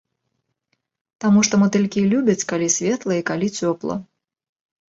Таму што матылькі любяць, калі светла і калі цёпла.